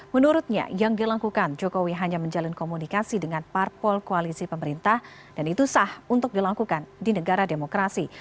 menurutnya yang dilakukan jokowi hanya menjalin komunikasi dengan parpol koalisi pemerintah dan itu sah untuk dilakukan di negara demokrasi